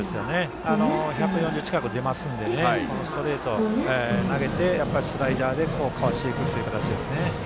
１４０近く出ますのでこのストレートを投げてスライダーでかわしていくという形ですね。